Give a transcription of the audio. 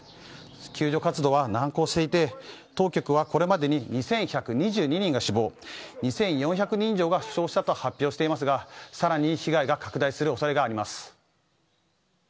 救助活動は難航していて当局はこれまでに２１２２人が死亡２４００人以上が負傷したと発表していますが更に被害が拡大する恐れがあります。